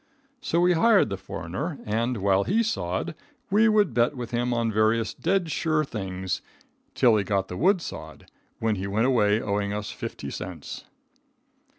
So we hired the foreigner, and while he sawed, we would bet with him on various "dead sure things" until he got the wood sawed, when he went away owing us fifty cents.